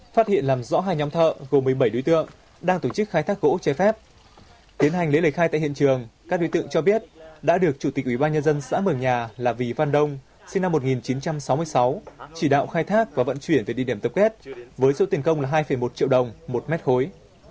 phát hiện làm rõ hai nhóm thợ gồm một mươi bảy đối tượng đang tổ chức khai thác gỗ trái phép tiến hành lấy lời khai tại hiện trường các đối tượng cho biết đã được chủ tịch ủy ban nhân dân xã mường nhà là vì văn đông sinh năm một nghìn chín trăm sáu mươi sáu chỉ đạo khai thác và vận chuyển về địa điểm tập kết với số tiền công là hai một triệu đồng một mét khối